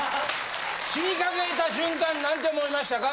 死にかけた瞬間なんて思いましたか？